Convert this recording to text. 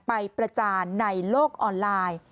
ประจานในโลกออนไลน์